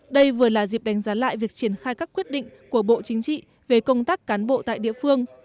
đây vừa là dịp đánh giá lại việc triển khai các quyết định của bộ chính trị về công tác cán bộ tại địa phương